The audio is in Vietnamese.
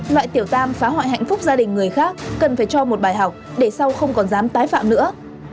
loại tiểu tam phá hoại hạnh phúc gia đình người khác cần phải cho một bài học để sau không còn dám tái phạm nữa